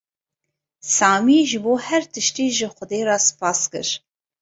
Samî ji bo her tiştî ji Xwedê re spas kir.